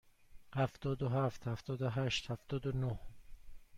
هفتاد و هفت، هفتاد و هشت، هفتاد و نه.